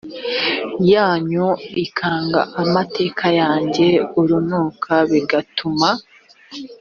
yanyu ikanga amateka yanjye urunuka bigatuma